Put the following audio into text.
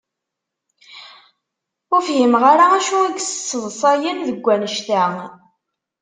Ur fhimeɣ ara acu i yesseḍsayen deg wanect-a.